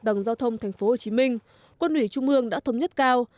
tầng giao thông tp hcm quân ủy trung ương đã thống nhất cao